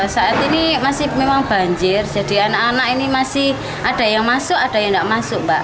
saat ini masih memang banjir jadi anak anak ini masih ada yang masuk ada yang tidak masuk pak